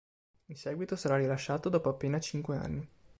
In seguito sarà rilasciato dopo appena cinque anni.